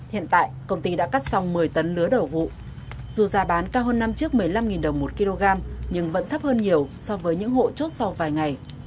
hiện tại công ty đã cắt xong một mươi tấn lứa đầu vụ dù giá bán cao hơn năm trước một mươi năm đồng một kg nhưng vẫn thấp hơn nhiều so với những hộ chốt sau vài ngày